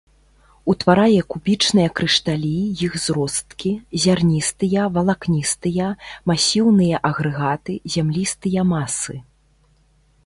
Утварае кубічныя крышталі, іх зросткі, зярністыя, валакністыя, масіўныя агрэгаты, зямлістыя масы.